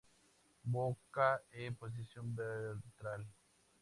Boca en posición ventral.